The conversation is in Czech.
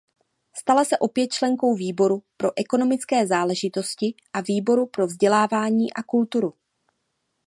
Stala se opět členkou výboru pro ekonomické záležitosti a výboru pro vzdělávání a kulturu.